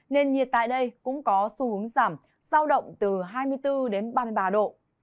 nền nhiệt tại đây cũng có xu hướng giảm giao động từ hai mươi bốn đến ba mươi ba độ